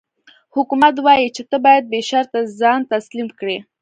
حکومت وايي چې ته باید بې شرطه ځان تسلیم کړې.